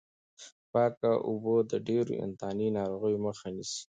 پاکې اوبه د ډېرو انتاني ناروغیو مخه نیسي.